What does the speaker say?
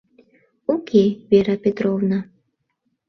Уке, Вера Петровна!